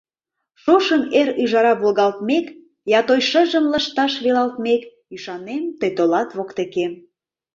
Шошым, эр ӱжара волгалтмек, Я той шыжым лышташ велалтмек, Ӱшанем, тый толат воктекем.